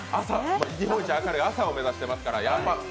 日本一明るい朝を目指していますから。